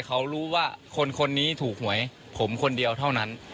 เขารู้ว่าคนนี้ถูกหวยผมคนเดียวเท่านั้น